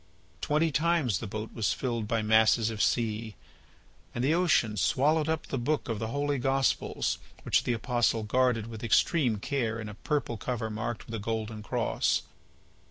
Twenty times the boat was filled by masses of sea. And the ocean swallowed up the book of the Holy Gospels which the apostle guarded with extreme care in a purple cover marked with a golden cross.